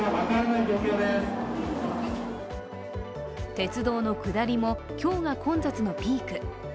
鉄道の下りも今日が混雑のピーク。